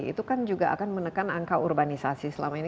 itu kan juga akan menekan angka urbanisasi selama ini